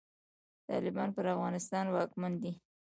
طالبان پر افغانستان واکمن دی.